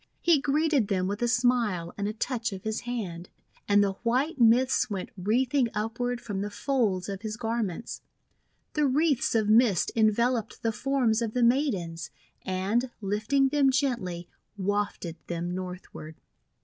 He greeted them with a smile and a touch of his hand. And the LEGEND OF THE CORN 381 white mists went wreathing upward from the folds of his garments. The wreaths of mist en veloped the forms of the Maidens, and, lifting them gently, wafted them northward.